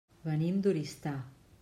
Venim d'Oristà.